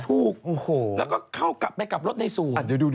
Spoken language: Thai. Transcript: ถูกแล้วก็เข้ากลับไปกลับรถในศูนย์